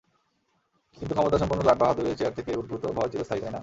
কিন্তু ক্ষমতাসম্পন্ন লাট-বাহাদুরের চেয়ার থেকে উদ্ভূত ভয় চিরস্থায়ী, তাই না?